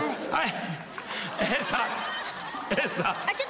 はい。